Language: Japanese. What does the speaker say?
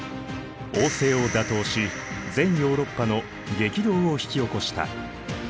王政を打倒し全ヨーロッパの激動を引き起こした。